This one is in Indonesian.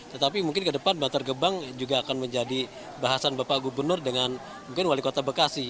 tetapi mungkin ke depan bantar gebang juga akan menjadi bahasan bapak gubernur dengan mungkin wali kota bekasi